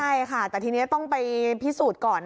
ใช่ค่ะแต่ทีนี้ต้องไปพิสูจน์ก่อน